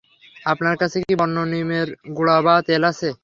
আপনার কাছে কী বন্য নিমের গুঁড়া, বা তেল আছে?